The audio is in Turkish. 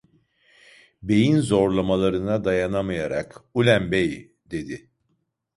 Beyin zorlamalarına dayanamayarak: - Ulen bey, dedi.